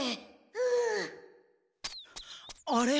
うん。あれ？